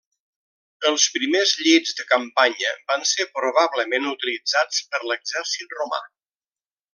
Els primers llits de campanya van ser probablement utilitzats per l'exèrcit Romà.